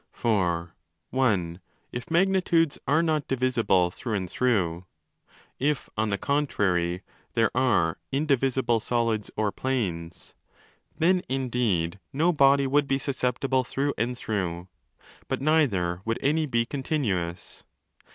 For (i) if magnitudes are not divisible through and through—if, on the contrary, there are indivisible solids or planes—then indeed no body would be susceptible through and through: but neither ro would any be continuous.